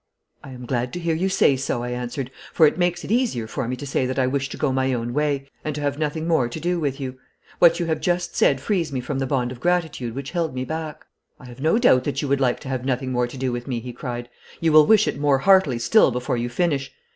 'I am glad to hear you say so,' I answered, 'for it makes it easier for me to say that I wish to go my own way, and to have nothing more to do with you. What you have just said frees me from the bond of gratitude which held me back.' 'I have no doubt that you would like to have nothing more to do with me,' he cried. 'You will wish it more heartily still before you finish.